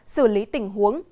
xử lý tình huống